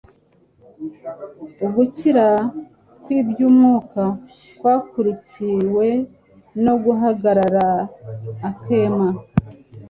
Ugukira kw'iby'umwuka kwakurikiwe no guhagarara akema.